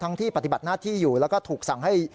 ที่ปฏิบัติหน้าที่อยู่แล้วก็ถูกสั่งให้